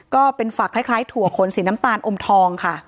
ก็เป็นฝักคล้ายถั่วขนสีน้ำตาลอมทองค่ะ